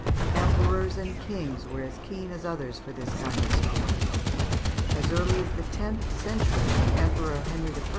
] Emperors and kings were as keen as others for this kind of sport. As early as the tenth century the Emperor Henry I.